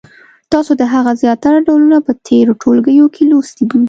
تاسو د هغو زیاتره ډولونه په تېرو ټولګیو کې لوستي دي.